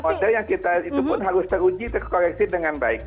model yang kita itu pun harus teruji terkoreksi dengan baik